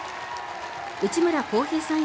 内村航平さん